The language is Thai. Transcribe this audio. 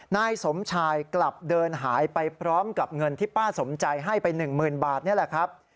นายสมชายกลับเดินหายไปพร้อมกับเงินที่ป้าสมใจให้ไป๑๐๐๐บาทนี่แหละครับ